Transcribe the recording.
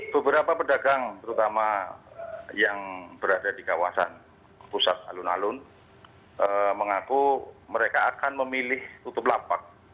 beberapa pedagang terutama yang berada di kawasan pusat alun alun mengaku mereka akan memilih tutup lapak